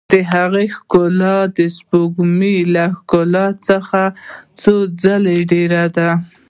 د هغې ښکلا د سپوږمۍ له ښکلا څخه څو ځلې ډېره ده.